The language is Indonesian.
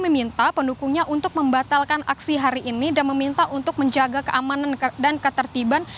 meminta pendukungnya untuk membatalkan aksi hari ini dan meminta untuk menjaga keamanan dan ketertiban